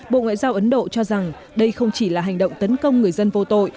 bộ ngoại giao ấn độ cho rằng đây không chỉ là hành động tấn công người dân vô tội